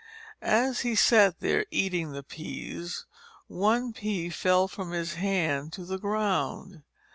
As he sat there eating the peas, one pea fell from his hand to the ground.